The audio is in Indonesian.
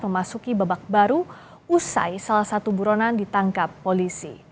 memasuki babak baru usai salah satu buronan ditangkap polisi